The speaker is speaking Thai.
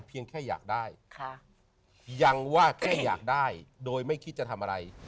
เพียงแค่อยากได้ค่ะยังว่าแค่อยากได้โดยไม่คิดจะทำอะไร